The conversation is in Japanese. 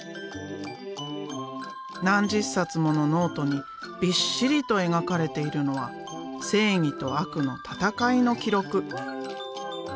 何十冊ものノートにびっしりと描かれているのは正義と悪の戦いの記録。